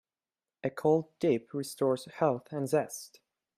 A cold dip restores health and zest.